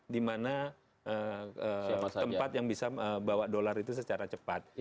di mana tempat yang bisa bawa dolar itu secara cepat